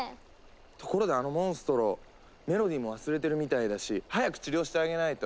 ところであのモンストロメロディーも忘れてるみたいだし早く治療してあげないと！